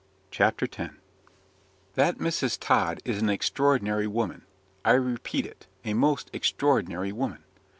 CHAPTER X "That Mrs. Tod is an extraordinary woman. I repeat it a most extraordinary woman."